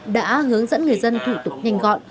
đã hướng dẫn người dân thủ tục nhanh gọn